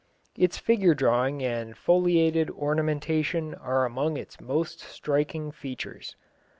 Its figure drawing and foliated ornamentation are among its most striking features.